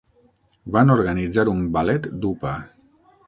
Van organitzar un ballet d'upa.